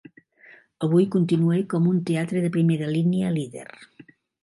Avui continua com un teatre de primera línia líder.